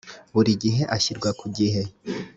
buri gihe agashyirwa ku gihe